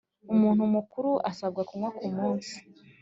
umuntu mukuru asabwa kunywa kumunsi